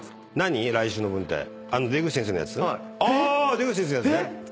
出口先生のやつね。